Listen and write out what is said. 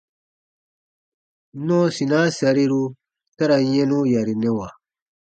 Nɔɔsinaa sariru ta ra yɛnu yarinɛwa.